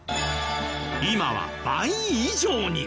今は倍以上に。